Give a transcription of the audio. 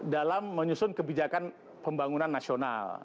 dalam menyusun kebijakan pembangunan nasional